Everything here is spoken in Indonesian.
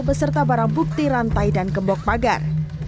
beserta barang bukti rantai dan gembok pagar